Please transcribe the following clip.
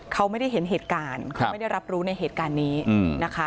เขาไม่ได้เห็นเหตุการณ์เขาไม่ได้รับรู้ในเหตุการณ์นี้นะคะ